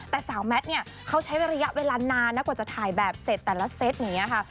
แต่สาวแมทเนี่ยเขาใช้ระยะเวลานานนะกว่าจะถ่ายแบบเสร็จแต่ละเซตอย่างนี้ค่ะ